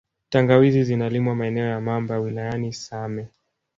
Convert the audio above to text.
Tangawizi zinalimwa maeneo ya Mamba wilayani same